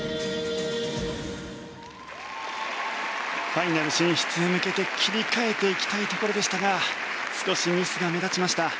ファイナル進出へ向けて切り替えていきたいところでしたが少しミスが目立ちました。